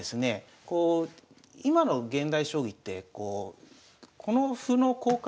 今の現代将棋ってこうこの歩の交換